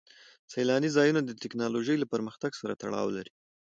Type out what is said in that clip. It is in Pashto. سیلاني ځایونه د تکنالوژۍ له پرمختګ سره تړاو لري.